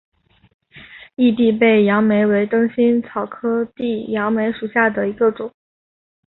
异被地杨梅为灯心草科地杨梅属下的一个种。